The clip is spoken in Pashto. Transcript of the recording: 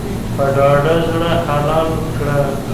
په ډاډه زړه حلال کړه.